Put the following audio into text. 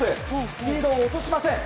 スピードを落としません。